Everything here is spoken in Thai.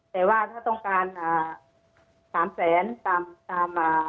แต่ว่าถ้าต้องการ๓๐๐๐๐๐๐บาทตาม